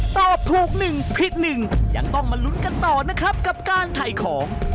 ตอบถูกหนึ่งพิษหนึ่งยังต้องมาลุ้นกันต่อนะครับกับการไถ่ของ